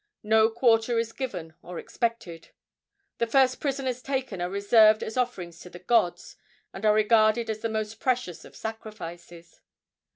No quarter is given or expected. The first prisoners taken are reserved as offerings to the gods, and are regarded as the most precious of sacrifices.